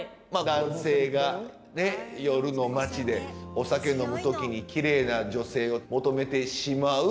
男性がねっ夜の街でお酒飲む時にきれいな女性を求めてしまう。